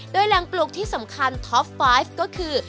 โดยแหล่งปลูกที่สำคัญท็อปไฟฟ์ก็คือ